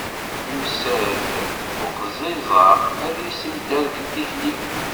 Yusa-d weqẓiẓ-a ad yessemderkel tikli-w.